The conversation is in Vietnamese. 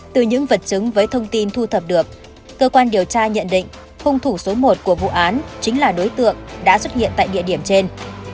từ những vật chứng với thông tin thu thập được cơ quan điều tra nhận định hung thủ số một của vụ án chính là đối tượng đã xuất hiện tại địa điểm trên